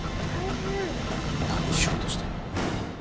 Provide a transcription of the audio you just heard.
「何しようとしてるの？」